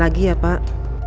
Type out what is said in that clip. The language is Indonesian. lagi ya pak